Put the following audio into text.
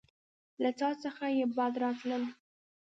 له څاه څخه يې بد راتلل.